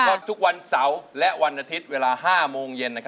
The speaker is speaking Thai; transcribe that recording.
ก็ทุกวันเสาร์และวันอาทิตย์เวลา๕โมงเย็น